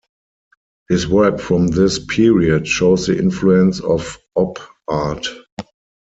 His work from this period shows the influence of Op Art.